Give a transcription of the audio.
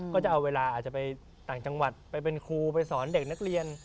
ก็จะเอาเวลาอาจจะไปต่างจังหวัดไปเป็นครูไปสอนเด็กนักเรียน